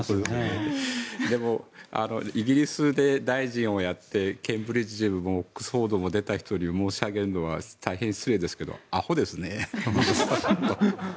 でもイギリスで大臣をやってケンブリッジやオックスフォードを出た人に申し上げるのは大変失礼ですけどあほですね。